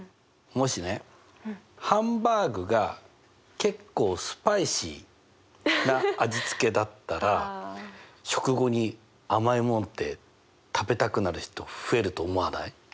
もしねハンバーグが結構スパイシーな味つけだったら食後に甘いもんって食べたくなる人増えると思わない？